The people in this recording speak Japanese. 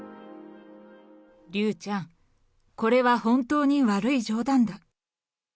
竜ちゃん、これは本当に悪い冗談だ。